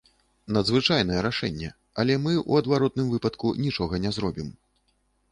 Надзвычайнае рашэнне, але мы ў адваротным выпадку нічога не зробім.